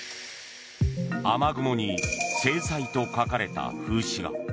雨雲に制裁と書かれた風刺画。